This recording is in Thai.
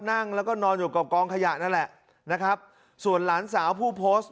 นั่งแล้วก็นอนอยู่กับกองขยะนั่นแหละนะครับส่วนหลานสาวผู้โพสต์